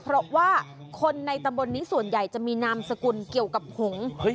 เพราะว่าคนในตำบลนี้ส่วนใหญ่จะมีนามสกุลเกี่ยวกับหงษ์